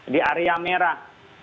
di area merah